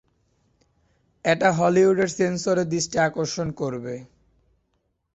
এটা হলিউডের সেন্সরের দৃষ্টি আকর্ষণ করবে।